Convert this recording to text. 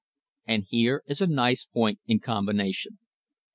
And here is a nice point in combination.